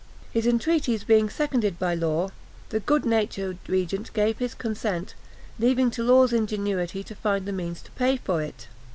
His entreaties being seconded by Law, the good natured regent gave his consent, leaving to Law's ingenuity to find the means to pay for it.